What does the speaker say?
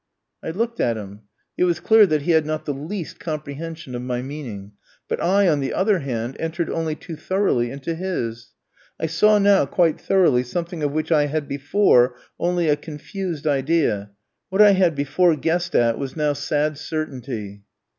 I looked at him; it was clear that he had not the least comprehension of my meaning; but I, on the other hand, entered only too thoroughly into his. I saw now, quite thoroughly, something of which I had before only a confused idea; what I had before guessed at was now sad certainty.